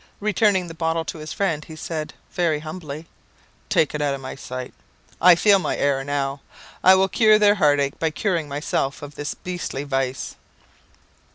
Returning the bottle to his friend, he said, very humbly "Take it out of my sight; I feel my error now. I will cure their heartache by curing myself of this beastly vice."